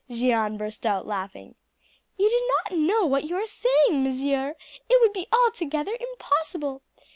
Jeanne burst our laughing. "You do not know what you are saying, monsieur; it would be altogether impossible.